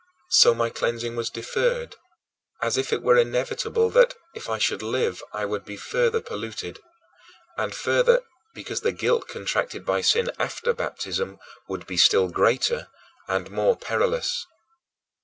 So my cleansing was deferred, as if it were inevitable that, if I should live, I would be further polluted; and, further, because the guilt contracted by sin after baptism would be still greater and more perilous.